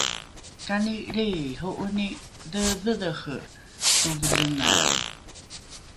kani lriiho’oni dheedhedhere tovelengae?